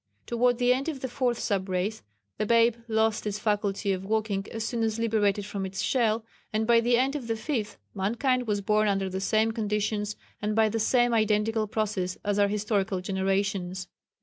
Toward the end of the fourth sub race, the babe lost its faculty of walking as soon as liberated from its shell, and by the end of the fifth, mankind was born under the same conditions and by the same identical process as our historical generations.